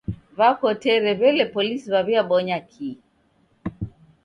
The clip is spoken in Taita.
W'akotere w'ele polisi w'awiabonya kii?